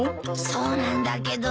そうなんだけど。